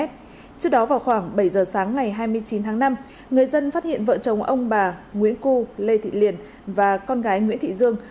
trước đó vào khoảng bảy giờ sáng ngày hai mươi chín tháng năm người dân phát hiện vợ chồng ông bà nguyễn cu lê thị liền và con gái nguyễn thị dương